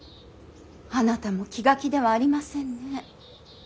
あなたも気が気ではありませんね